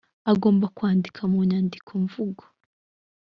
agomba kwandika mu nyandikomvugo